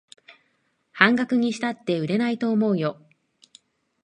半額にしたって売れないと思うよ